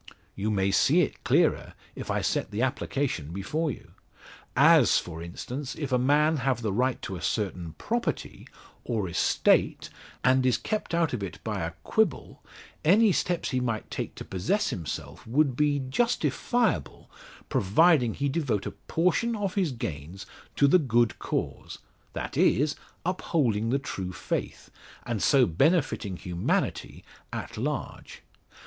"You may see it clearer if I set the application before you. As for instance, if a man have the right to a certain property, or estate, and is kept out of it by a quibble, any steps he might take to possess himself would be justifiable providing he devote a portion of his gains to the good cause that is, upholding the true faith, and so benefiting humanity at large.